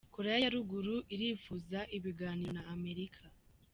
Korea ya Ruguru iripfuza ibiganiro na Amerika.